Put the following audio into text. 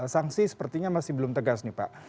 sanksi sepertinya masih belum tegas nih pak